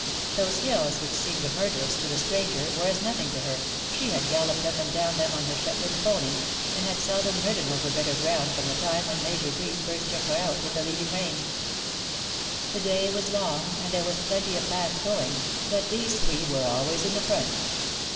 Those hills which seemed murderous to the stranger, AU COUP DU PELERIN \" 133 were as nothing to her, who had galloped up and down them on her Shetland pony, and had seldom ridden over better ground from the time when Major Bree first took her out with a leading rein. The day was long, and there was plenty of fast going — but these three were always in the front.